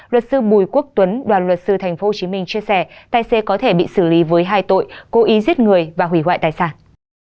luật sư bùi quốc tuấn đoàn luật sư tp hcm chia sẻ tài xế có thể bị xử lý với hai tội cố ý giết người và hủy hoại tài sản